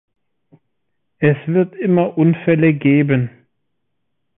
Es wird immer Unfälle geben.